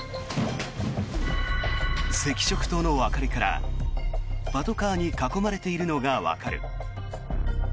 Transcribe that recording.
赤色灯の明かりからパトカーに囲まれているのがわかる。